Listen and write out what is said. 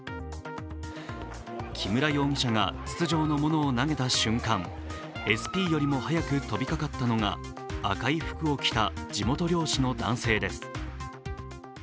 木村容疑者が筒状のものを投げた瞬間、ＳＰよりも早く飛びかかったのが、赤い服を着た地元漁師の男性です。